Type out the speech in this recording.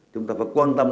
chúng ta phải quan tâm